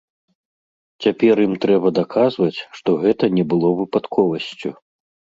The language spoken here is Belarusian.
Цяпер ім трэба даказваць, што гэта не было выпадковасцю.